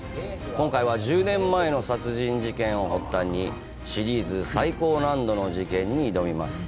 今回は１０年前の殺人事件を発端にシリーズ最高難度の事件に挑みます！